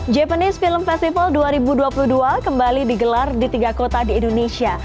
japanese film festival dua ribu dua puluh dua kembali digelar di tiga kota di indonesia